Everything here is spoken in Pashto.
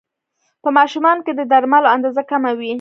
په ماشومانو کې د درملو اندازه کمه وي.